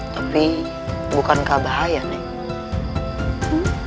tapi bukankah bahaya neng